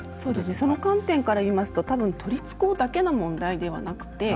その観点から言いますとたぶん、都立高だけの問題ではなくて。